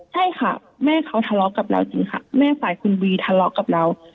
ใช่ค่ะแม่เขาทะเลาะกับเราจริงค่ะแม่ฝ่ายคุณวีทะเลาะกับเรา